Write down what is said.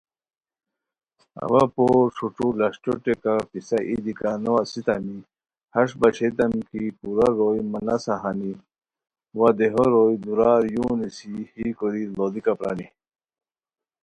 اوا پور ݯھوݯھو لشٹو ٹیکہ پِیسہ ای دی کا نو اسیتامی ہݰ باشیتام کی پورا روئے مہ نسہ ہانی، وا دیہو روئے دُورار یونیسی یی کوری لوڑیکا پرانی